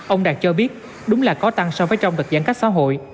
ông đạt cho biết đúng là có tăng so với trong đợt giãn cách xã hội